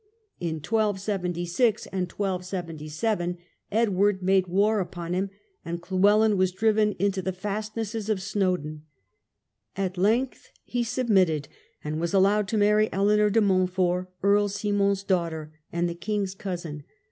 In 1276 and 1277 Edward made war upon him, and Llewellyn was driven into the fastnesses of Snowdon. At length he submitted, and was allowed to marry Eleanor de Montfort, Earl Simon's daughter and the king's cousin.